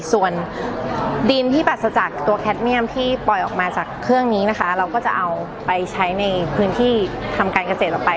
ส่วนดินที่ปรัสจากตัวแคทเมียมที่ปล่อยออกมาจากเครื่องนี้นะคะเราก็จะเอาไปใช้ในพื้นที่ทำการเกษตรออกไป